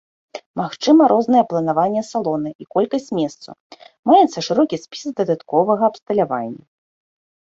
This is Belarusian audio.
Магчыма рознае планаванне салона і колькасць месцаў, маецца шырокі спіс дадатковага абсталявання.